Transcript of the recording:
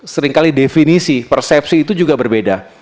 seringkali definisi persepsi itu juga berbeda